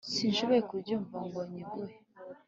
sinshoboye kubyuka ngo nyiguhe.